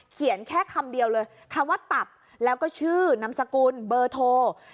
เขียนแค่คำเดียวเลยคำว่าตับแล้วก็ชื่อนามสกุลเบอร์โทร